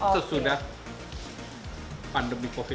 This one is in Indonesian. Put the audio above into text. sesudah pandemi kondisi